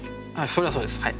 それはそうですはい。